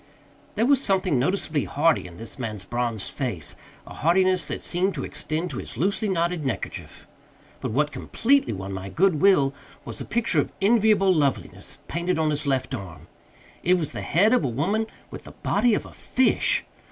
There was something noticeably hearty in this man's bronzed face, a heartiness that seemed to extend to his loosely knotted neckerchief. But what completely won my good will was a picture of enviable loveliness painted on his left arm. It was the head of a woman with the body of a fish.